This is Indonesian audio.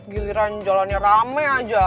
giliran jalannya rame aja